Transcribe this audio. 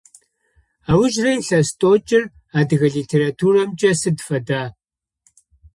Аужрэ илъэс тӏокӏыр адыгэ литературэмкӏэ сыд фэда?